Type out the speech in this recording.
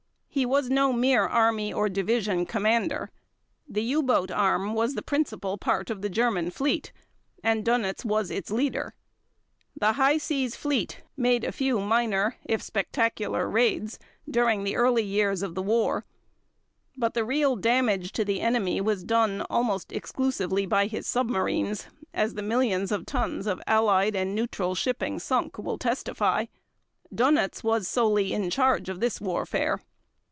He was no mere army or division commander. The U boat arm was the principal part of the German fleet and Dönitz was its leader. The High Seas fleet made a few minor, if spectacular, raids during the early years of the war, but the real damage to the enemy was done almost exclusively by his submarines as the millions of tons of Allied and neutral shipping sunk will testify. Dönitz was solely in charge of this warfare.